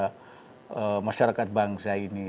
bagaimana membangun kepada masyarakat bangsa ini